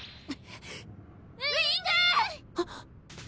ウィング！